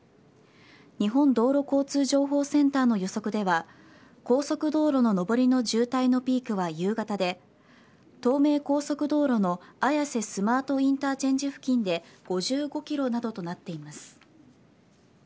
日本道路交通情報センターの予測では高速道路の上りの渋滞のピークは夕方で東名高速道路の綾瀬スマートインターチェンジ付近で５５ｋｍなどとなっています。